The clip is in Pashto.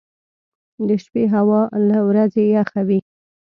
• د شپې هوا له ورځې یخه وي.